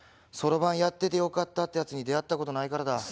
「そろばんやっててよかった」ってやつに出会ったことないからだ。